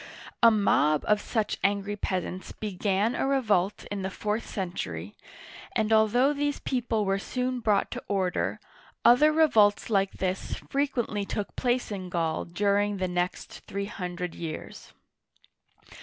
A mob of such angry peasants began a revolt in the fourth century, and although these people were soon brought to order, other revolts like this frequently took place in Gaul during the next three hundred years.